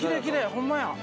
ホンマや。